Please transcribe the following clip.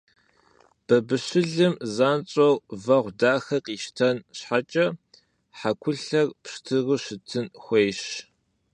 Бабыщылым занщӀэу вэгъу дахэ къищтэн щхьэкӀэ, хьэкулъэр пщтыру щытын хуейщ.